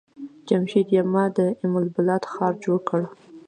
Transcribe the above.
جمشيد يما د ام البلاد ښار جوړ کړ.